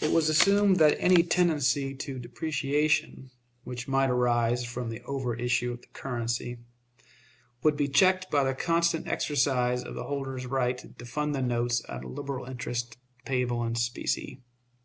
It was assumed that any tendency to depreciation, which might arise from the over issue of the currency, would be checked by the constant exercise of the holder's right to fund the notes at a liberal interest, payable in specie.